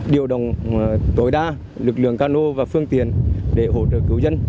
điều động tối đa lực lượng cano và phương tiện để hỗ trợ cứu dân